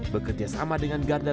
bekerja sama dengan garda